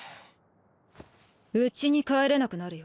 うちに帰れなくなるよ？